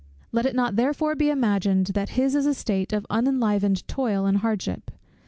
Let it not therefore be imagined that his is a state of unenlivened toil and hardship.